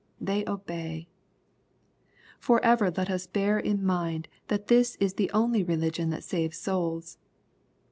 They obey. Forever let us bear in mind that this is the only religion that saves souls.